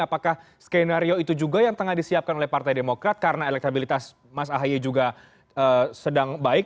apakah skenario itu juga yang tengah disiapkan oleh partai demokrat karena elektabilitas mas ahaye juga sedang baik